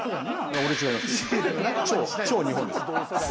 俺は違います。